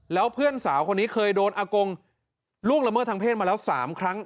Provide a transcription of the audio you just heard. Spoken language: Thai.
แล้วเพื่อนสาวคนนี้เคยโดนอากงล่วงละเมิดทางเพศมาแล้ว๓ครั้ง